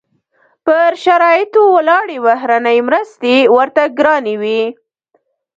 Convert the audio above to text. پر شرایطو ولاړې بهرنۍ مرستې ورته ګرانې وې.